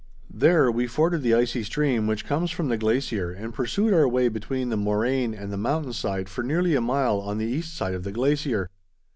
There we forded the icy stream which comes from the glacier and pursued our way between the moraine and the mountain side for nearly a mile on the east side of the glacier.